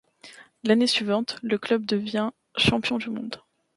L'année suivante, le club devient champion du monde.